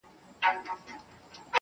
راته ستا حال راكوي.